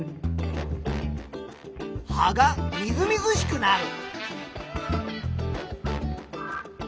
葉がみずみずしくなる。